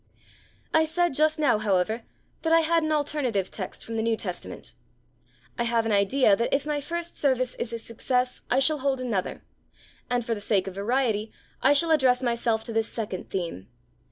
I said just now, however, that I had an alternative text from the New Testament. I have an idea that if my first service is a success, I shall hold another; and, for the sake of variety, I shall address myself to this second theme.